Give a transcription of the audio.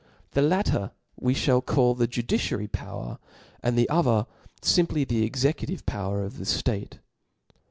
The latter we (hall call the judiciary power, and the other iimply the ci« ecutive power of the ftate.